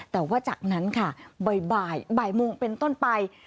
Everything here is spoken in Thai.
แต่ว่าจากนั้นค่ะบ่ายโมงเป็นต้นไป